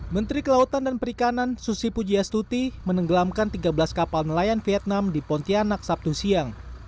menteri kelautan dan perikanan susi pujiastuti menenggelamkan tiga belas kapal nelayan vietnam di pontianak sabtu siang